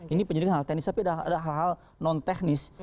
ini penyidik hal teknis tapi ada hal hal non teknis